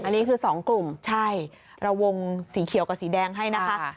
อันนี้คือสองกลุ่มใช่ระวงสีเขียวกับสีแดงให้นะคะ